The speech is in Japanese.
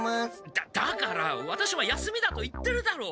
だだからワタシは休みだと言ってるだろう！